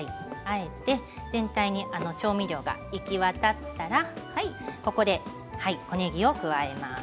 全体に調味料が行き渡ったらここで小ねぎを加えます。